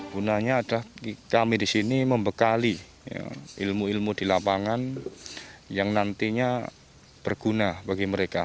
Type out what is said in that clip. gunanya adalah kami di sini membekali ilmu ilmu di lapangan yang nantinya berguna bagi mereka